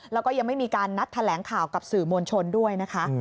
แล้วก็ยังไม่มีการนัดแถลงข่าวกับสื่อมวลชนด้วยนะคะ